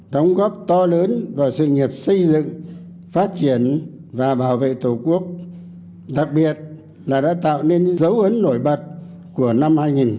đóng góp to lớn vào sự nghiệp xây dựng phát triển và bảo vệ tổ quốc đặc biệt là đã tạo nên những dấu ấn nổi bật của năm hai nghìn một mươi chín